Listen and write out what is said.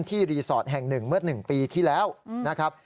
ที่รีสอร์ทแห่งหนึ่งเมื่อหนึ่งปีที่แล้วนะครับ